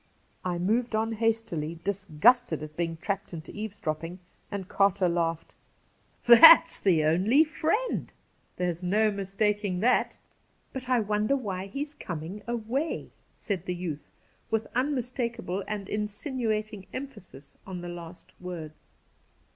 I moved on hastily, disgusted at being trapped into eavesdropping, and Carter laughed. ' That's the only friend ! There's no mistaking that. But I wondei" why he's coming away,' said the youth, with unmistakable and insinu ating emphasis on the last words.